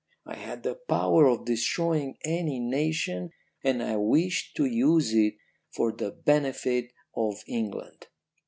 I had the power of destroying any nation, and I wished to use it for the benefit of England.